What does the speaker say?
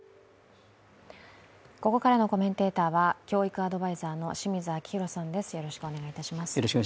ここからのコメンテーターは教育アドバイザーの清水章弘さんです。